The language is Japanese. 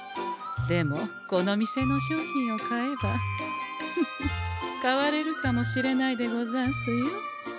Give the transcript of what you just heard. でもこの店の商品を買えばフフ変われるかもしれないでござんすよ。